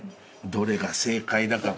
どれが正解だか。